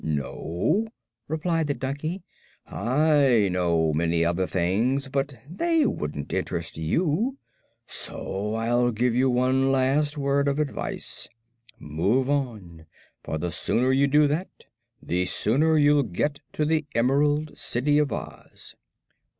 "No," replied the donkey; "I know many other things, but they wouldn't interest you. So I'll give you a last word of advice: move on, for the sooner you do that the sooner you'll get to the Emerald City of Oz."